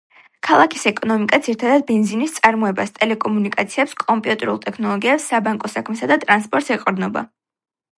ქალაქის ეკონომიკა ძირითადად ბენზინის წარმოებას, ტელეკომუნიკაციებს, კომპიუტერულ ტექნოლოგიებს, საბანკო საქმესა და ტრანსპორტს ეყრდნობა.